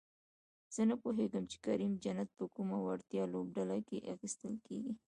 زه نپوهېږم چې کریم جنت په کومه وړتیا لوبډله کې اخیستل کیږي؟